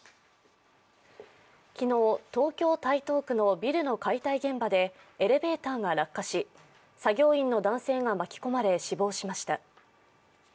昨日、東京・台東区のビルの解体現場でエレベーターが落下し、作業員の男性が巻き込まれ死亡しました。